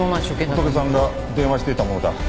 ホトケさんが電話してたものだ。